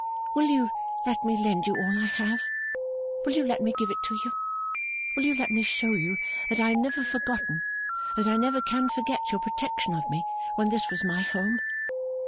Will you let me lend you all I have? Will you let me give it you? Will you let me show you that I have never forgotten, that I never can forget, your protection of me when this was my home?